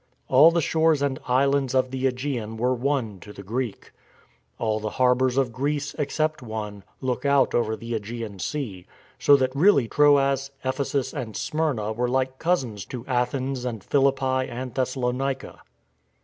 All the shores and islands of the ^gean were one to the Greek. All the harbours of Greece, except one, look out over the ^gean Sea, so that really Troas, Ephesus and Smyrna were like cousins to Athens and Philippi and Thessalonica.